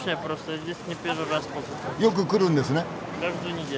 よく来るんですね？